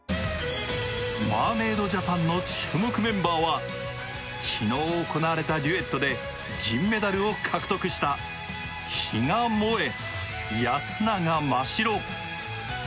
マーメイドジャパンの注目メンバーは昨日行われたデュエットで銀メダルを獲得した比嘉もえ、安永真白。